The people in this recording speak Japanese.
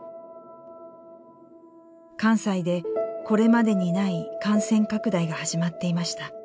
関西でこれまでにない感染拡大が始まっていました。